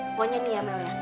pokoknya nih amel